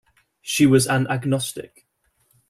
She was an agnostic.